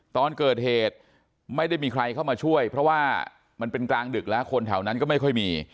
ตอนเกิดเหตุไม่ได้มีใครเข้ามาช่วยเพราะว่ามันเป็นกลางดึกแล้วคนแถวนั้นก็ไม่ค่อยมี